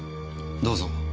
どうぞ。